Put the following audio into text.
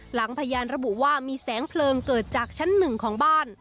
พยานระบุว่ามีแสงเพลิงเกิดจากชั้นหนึ่งของบ้าน